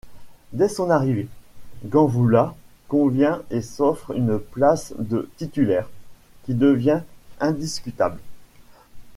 Dès son arrivé, Ganvoula convient et s'offre une place de titulaire, qui devient indiscutable.